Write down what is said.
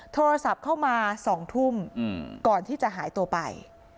โทรศัพท์เข้ามา๒ทุ่มก่อนที่จะหายตัวไป